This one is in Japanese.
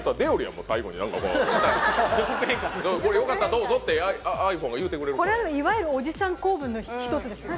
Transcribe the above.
もう最後に何かこう下に「これよかったらどうぞ」ってｉＰｈｏｎｅが言うてくれるからこれはいわゆるおじさん構文の１つですよね